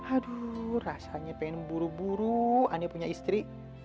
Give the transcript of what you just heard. aduh rasanya pengen buru buru anda punya istri